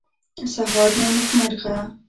سهار مو نیکمرغه